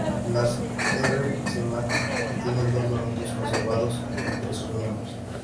Las R-Smad contienen dos dominios conservados entre sus miembros.